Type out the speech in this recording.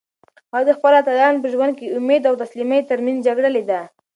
هغه د خپلو اتلانو په ژوند کې د امید او تسلیمۍ ترمنځ جګړه لیده.